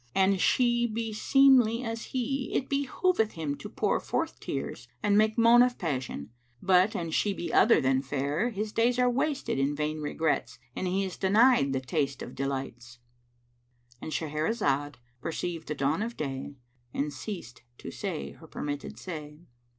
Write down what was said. An she be seemly as he is, it behoveth him to pour forth tears and make moan of passion; but, an she be other than fair, his days are wasted in vain regrets and he is denied the taste of delights."—And Shahrazad perceived the dawn of day and ceased to say her permitted say.